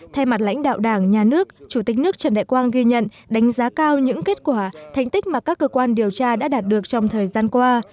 thay mặt lãnh đạo đảng nhà nước chủ tịch nước trần đại quang ghi nhận đánh giá cao những kết quả thành tích mà các cơ quan điều tra đã đạt được trong thời gian qua